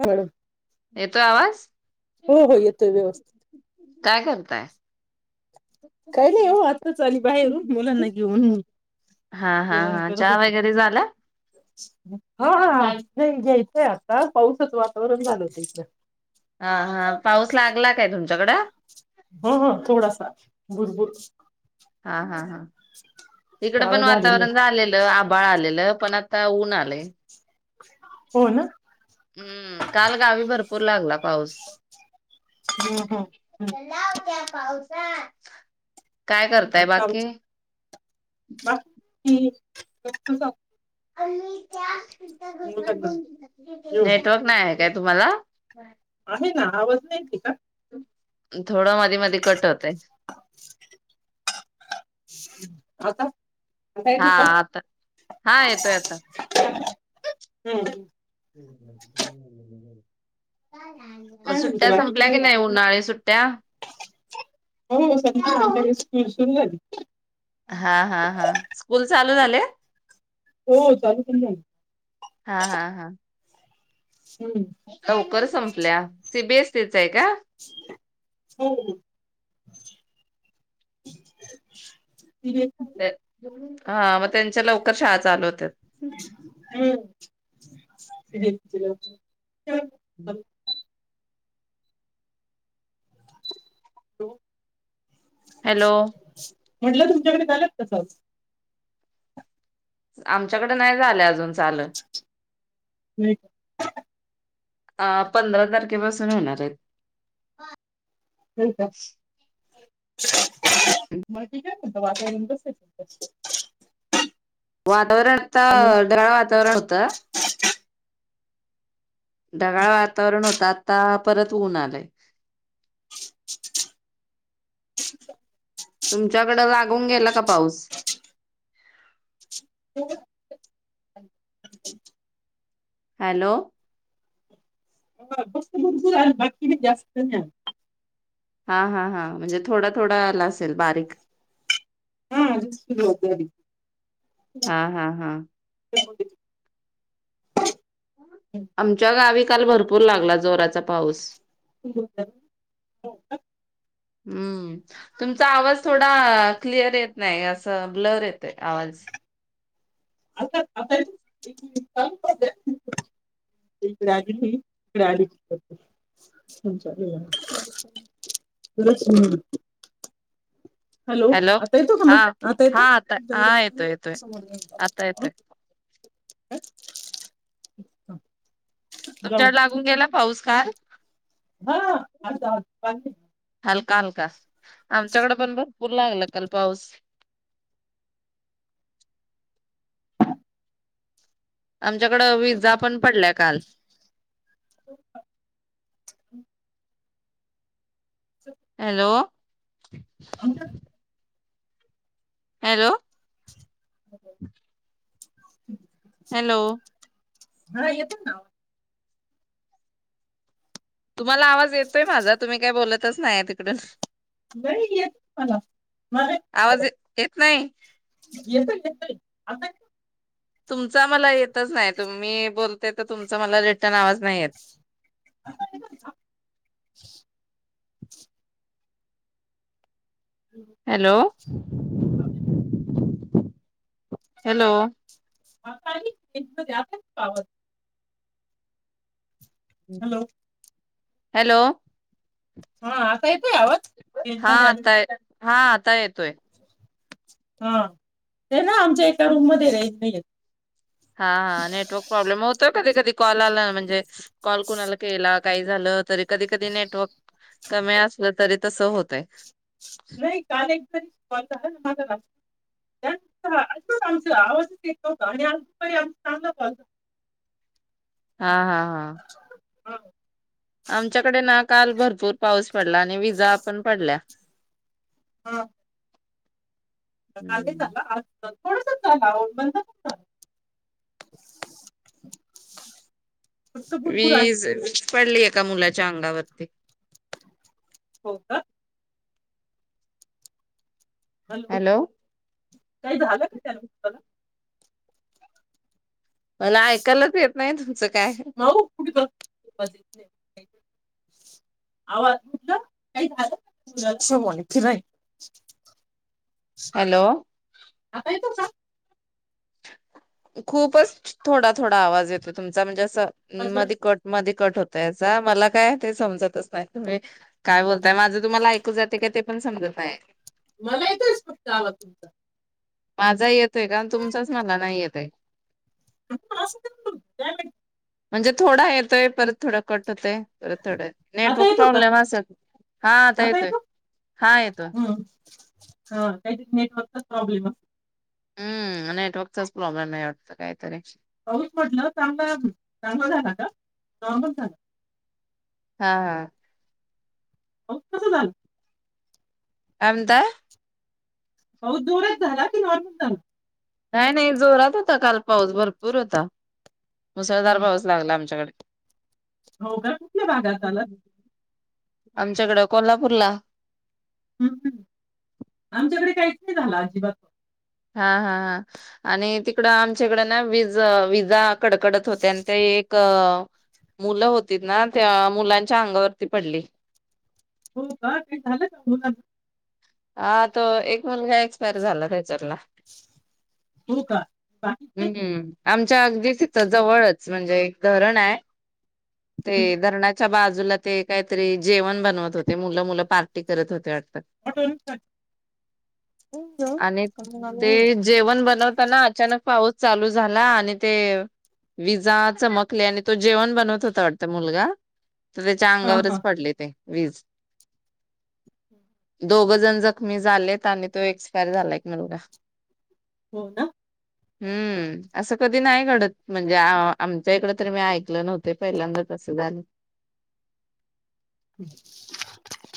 ह येतोय आवाज हो येतोय व्यवस्थित काय करताय. काही नाही हो आत्ताच आली बाहेर मुलांना घेऊन हा हा जेवण हा करत चहा होते. वगैरे झाला हा हा घ्यायचंय आता पाऊसाचं वातावरण झालं होत इथ. हा हा पाऊस लागला काय तुमच्या झगडा. हो हो थोडासा भरभूर हा हा हा इकडं काळ पण झालेलं वातावरण झालेलं आभाळ आलेलं. पण आता ऊन आलय. हो ना. हम्म काल गावी भरपूर लागला. पाऊस. ह नाव घ्या. पाऊसा. काय करताय बाकी बा की घेऊन नेटवर्क नाही आहे काय तुम्हाला. आहे ना आवाज नाही येत आहे का. थोडं मधी मधी कट होतोय. आता. आता हा येतो का आता हा येतो येतो. हम्म. [inaudible] काय म्हनत सुट्ट्या बाकी संपल्या काय की नाही. उन्हाळी सुट्ट्या चांगल हाय. हा हा हा स्कूल चालू झाले हो चालू केली नाही. हा हा हा हम्म लवकर संपल्या सी बीएसी. तेच आहे का. हो. [inaudible] हा म त्यांच्या लवकर शाळा चालू होत्यात. हम्म. तेच दिल [inaudible] [inaudible] हॅलो. म्हटलं तुमच्याकडे झालंत का पाऊस? आमच्याकड नाही झालं अजून चाल. हम्म. अ पंधरा तारखेपासून होणार आहेत. [inaudible] [inaudible] बाकीचं. आता वातावरण कसं आहे तिकडचं. वातावरण त ढगाळ वातावरण होतं. ढगाळ वातावरण होतात. आता परत ऊन आलाय. तुमच्याकडे लागून गेला का पाऊस. हा, हॅलो. बत बघ झा बाकी जास्त नाही. हा हा हा म्हणजे थोडा थोडा आला असेल बारीक हा. [inaudible] हा हा हा आमच्या गावी काल भरपूर लागला जोराचा पाऊस हो का हम्म तुमचा आवाज थोडा क्लिअर येत नाही असं ब्लर येत आहे आवाज आता येतोय आता येतोय क्लिअर आवाज परत सुरु हॅलो आता येतो का म आता हा येतो. [inaudible] हा येतोय येतोय आता येतोय आमचा लागून गेला पाऊस काय? ह असतनी काल का आमच्याकड पण भरपूर लागला काल पाऊस. आमच्याकड विज्जा पण पडल्यात. काल [inaudible] हॅलो. आमच्या हॅलो. [inaudible] हॅलो. हा येतो ना तुम्हाला आवाज येतोय माझा तुम्ही काय बोलत च नाही तिकडून. नाही येत मला, मला आवाज येतोय ये- येत नाही. - येतोय. आता [inaudible] तुमचा मला येतच नाही, तुम्ही बोलते तर तुमचा मला रिटर्न आवाज नाही येत. [inaudible] आता येतोय का? [inaudible] हॅलो. [inaudible] [inaudible] हॅलो. [unintelligible] हॅलो. हॅलो. हा आता येतोय आवाज? रेंज हा मध्ये आली आताय हा आता येत. तोय. हा ते ना आमच्या एका रूम मध्ये रेंज नाही येत. हा नेटवर्क प्रॉब्लेम होत कधी कधी कॉल आला म्हणजे कॉल कुणाला केला काही झालं तरी कधी कधी नेटवर्क कमी असलं तरी तस होतय. नही काल एकतरी कॉल झाला ना माझा [unintelligible] [unintelligible] अस आमचा असाच आमचा आवाजच येत न्हवता आणि आजुन पण चांगला कॉल हा हा हा. हा. आमच्याकडे ना काल भरपूर पाऊस पडला, आणि विजा पण पडल्या. हां. काल नाही हम्म. झाला आज थोडासाच झाला आहो बंद होता. वीज, पडली एका मुलाच्या अंगावरती. आ. हॅलो, काय झालं काय त्या लोकाना. मला ऐकायलाच येत नाही तुमचं काय. माऊ कुठ ग आवाज [unintelligible] हॅलो, आता येतो का खूपच थोडा थोडा आवाज येतो तुमचा म्हणजे अस च आवाज मॅडम? मधि कट मधी कट होतय याचा मला काय ते समजतच नाही तुम्ही काय बोलताय माझं तुम्हाला ऐकू जातय का ते पण समजत नाही. मला येतोयच फक्त आवाज तुमचा माझा येतोय का? न तुमचाच मला नाही येत. तय [unintelligible] म्हणजे थोडा येतोय परत थोडा कट होतंय थोड आता नेटवर्क येतो का प्रॉब्लेम असल हा आता येतोय, येतो हा येतोय. हा काहीतरी नेटवर्कचा प्रॉब्लेम असतो हम्म नेटवर्कचाच प्रॉब्लेम आहे वाटत काहीतरी. पाऊस पडणं चांगला चांगला झाला का? नॉर्मल झाला. हा हा पाऊस कसा झाल. काय म्हनताय. पाऊस जोरात झाला की नॉर्मल झाला? नाही, नाही जोरात होता काल पाऊस भरपूर होता. मुसळधार पाऊस लागला आमच्याकडे. हो का कुठल्या भागात झाल? आमच्याकडं कोल्हापूर ला. हम् आमच्याकडे काहीच नाही झाला अजिबात. हा हा हा आणि तिकड आमच्याकड ना विज विजा... कडकडत होत्या आणि ते एक.... मुलं होतीत ना त्या मुलांच्या अंगावरती पडली. हो का काय झालं का मुलांना हा तो एक मुलगा एक्सपायर झाला. त्याच्यातला. हो का बाकीचे? हम्म आमच्या अगदी तिथं जवळच म्हणजे एक धरण आहे. ते धरणाच्या बाजू.. बाजूला ते काहीतरी जेवण बनवत होते मुलं मुलं पार्टी करत होते वाटत. ऑटो आणि ते हा जेवण बनवताना अचानक पाऊस... चालू झाला आणि ते विजा चमकले आणि तो जेवण बनवत होता वाटत मुलगा..... तर त्याच्या हा अंगावरच पडले ते. वीज दोघ जण जखमी झालेत आणि तो एक्सपायर झालाय एक मुलगा. हो ना हम्म, असं कधी नाही घडत म्हणजे आमच्या इकड तरी मी ऐकलं नव्हते पहिल्यांदा तसं झालं.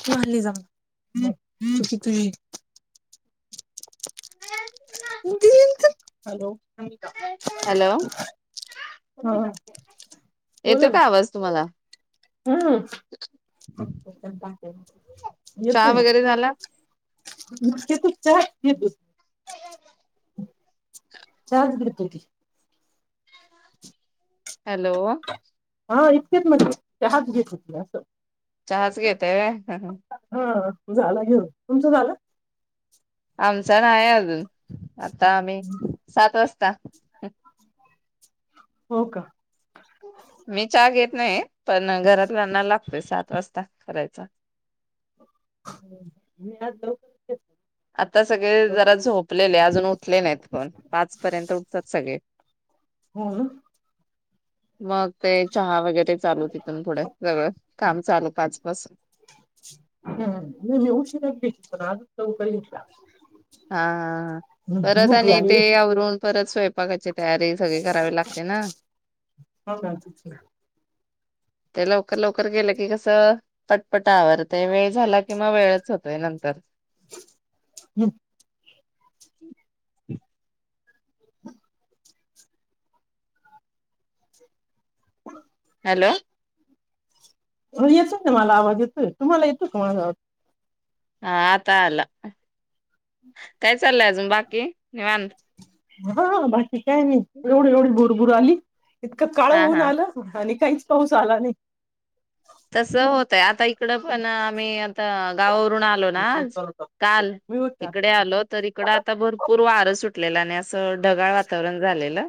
तु हली जा की तुझी दे हॅलो हम हॅलो येतोय का आवाज तुम्हाला? हम् [inaudible] चहा वगैरे झाला? ते पण चहा घेत चहाच घेत होती. हॅलो हा इतकेच म्हने चहाच घेत होते असं चहाच घेताय होय झालं घेऊन तुमचं झालं? आमचा नाही अजून आता आम्ही सात वाजता का हो का मी चहा घे नाही पण घरातल्याना लागतोय सात वाजता करायचा [unintelligible] आता सगळे जरा झोपलेले आ ज उठले नाही कोन पाच पर्यंत उठतात सगळे हो मग ते चहा वगैरे ते चालू तिथून पुढ सगळं काम चालू पाच पासून हम उशिरा केली पण आज लवकर घेतला. हा हा ह परत भूक आणि ते लागली आवरून परत स्वयंपाकाची तयारी सगळी करावी लागते ना ते लवकर लवकर गेलं की कसं पटपट आवरतय ते वेळ झाला किंवा वेळच होतोय नंतर हम् [inaudible] [inaudible] हॅलो हो येतोय ना मला आवाज येतोय तुम्हाला येतोय का माझा आवाज? हा आता आला काय चाललंय अजून बाकी? निवांत हा हा बाकी काय नाही एवढी एवढी बुर बुर आली इतकं काळं हा होऊन हा आलं आणि काहीच पाऊस आला नाही. तस होतय आता इकडं पण आम्ही आता गावावरून वरून आलो ना आज काल मी होता इकडे आलो तर इकड आता भरपूर वार सुट लेला न्यास त ढगाळ वातावरण झालेलं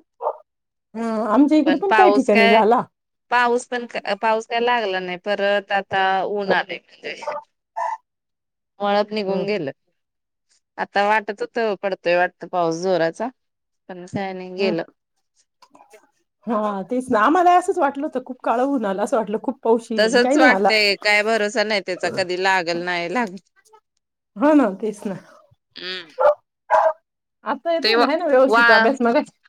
ह आमच्या इकडे पण काही पाऊस ठिकाणी काय झाला पाऊस पण क पा पाऊस काय लागला नाही परत आता उन आलंय म्हणजे मळ्यात निघून गेलं. आता वाटत होतं पडतोय वाटत पाऊस जोराचा. पण काय नाही हं गेलं हा तेच ना आम्हाला असंच वाटलं होत खूप काळ होऊन आलं असं वाटलं खूप पाऊस येईल तसच काही नाही आला वाटतय काय भरोसा नाही त्याचा कधी लागल नाही लागल हा ना तेच ना हम्म आता ते येतोय वा ना आहे ना वा व्यवस्थित अभ्यास मगाशी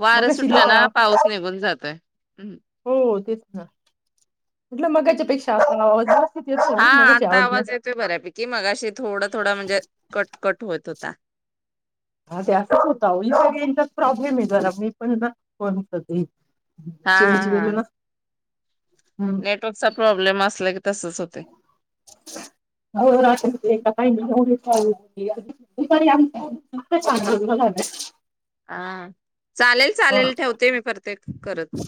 वारं मगाशी सुटलं नीट ना आव पाऊस निघून जातोय. अहं हो तेच ना म्हटलं मगाच्या पेक्षा आता आवाज ना येतोय हा मगाशी आता ना आवाज येतोय बऱ्यापैकी मगाशी थोडं थोडं म्हणजे कट कट होत होता. हा ते असच होतं अहो लो रेंजचा प्रॉब्लेम बघते मी जरा मी पण बघते ना कोण करते हा हा चेंज हा केलं ना. नेटवर्कचा प्रॉब्लेम असला क [unintelligible] काय म्हणतीया दुपारी आमच इतकं छान बोलणं झालं. हा चालेल चालेल ठेवते मी परत एकदा करल.